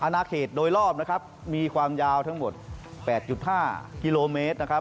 อนาคตโดยรอบมีความยาวทั้งหมด๘๕กิโลเมตร